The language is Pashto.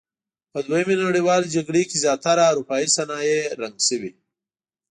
په دویمې نړیوالې جګړې کې زیاتره اورپایي صنایع رنګ شوي.